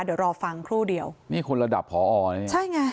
เดี๋ยวรอฟังครู่เดียวนี่คนระดับผอนี่ใช่ไง